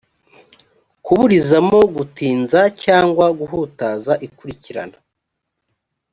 kuburizamo gutinza cyangwa guhutaza ikurikirana